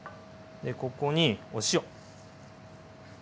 ここにお塩。